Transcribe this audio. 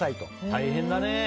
大変だね。